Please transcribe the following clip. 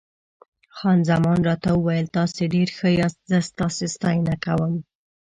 خان زمان راته وویل: تاسي ډېر ښه یاست، زه ستاسي ستاینه کوم.